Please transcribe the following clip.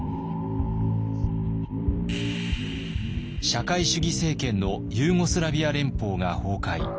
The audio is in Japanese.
社会主義政権のユーゴスラビア連邦が崩壊。